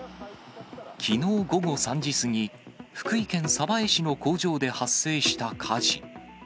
きのう午後３時過ぎ、福井県鯖江市の工場で発生した火事。